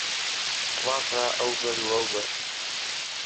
ڕاخرا ئهو بهر و ئهو بهر